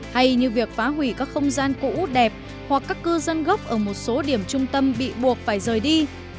hay như việc phá hủy các không gian cũ đẹp hoặc các cư dân gốc ở một số điểm trung tâm bị buộc phải rời đi